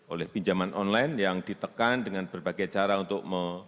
oleh pinjaman online yang ditekan dengan berbagai cara untuk mencari penipuan online